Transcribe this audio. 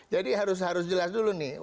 jadi harus jelas dulu nih